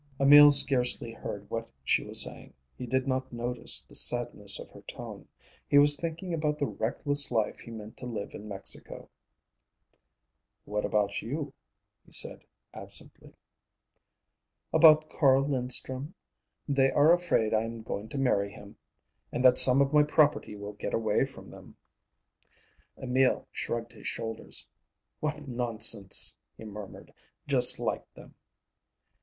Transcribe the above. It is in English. Emil scarcely heard what she was saying; he did not notice the sadness of her tone. He was thinking about the reckless life he meant to live in Mexico. "What about?" he asked absently. "About Carl Linstrum. They are afraid I am going to marry him, and that some of my property will get away from them." Emil shrugged his shoulders. "What nonsense!" he murmured. "Just like them."